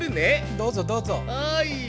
どうぞどうぞ。